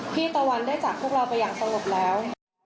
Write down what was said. พี่ตะวันได้จับพวกเราไปอย่างสมบัติแล้ว